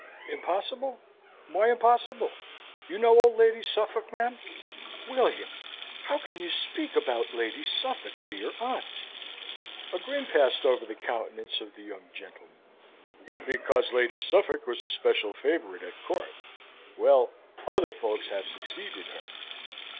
Impossible why impossible? You know old Lady Suffolk, ma'am?" "William, how can you speak about Lady Suffolk to your aunt?" A grin passed over the countenance of the young gentleman. "Because Lady Suffolk was a special favourite at Court? Well, other folks have succeeded her."